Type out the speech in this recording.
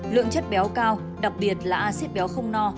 lượng chất béo cao đặc biệt là acid béo không no